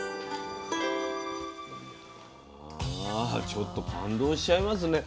ちょっと感動しちゃいますね。